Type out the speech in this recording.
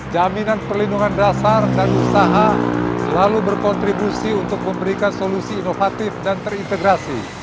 jaminan perlindungan dasar dan usaha selalu berkontribusi untuk memberikan solusi inovatif dan terintegrasi